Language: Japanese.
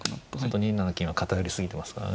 ２七金は偏り過ぎてますからね。